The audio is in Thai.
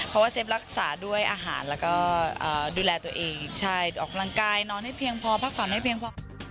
เพราะว่าเซฟรักษาด้วยอาหารแล้วก็ดูแลตัวเองใช่ออกกำลังกายนอนให้เพียงพอพักผ่อนให้เพียงพอ